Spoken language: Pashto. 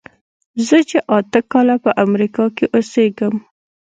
زه چې اته کاله په امریکا کې اوسېږم.